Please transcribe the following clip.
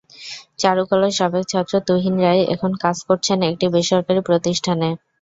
চারুকলার সাবেক ছাত্র তুহিন রায় এখন কাজ করছেন একটি বেসরকারি প্রতিষ্ঠানে।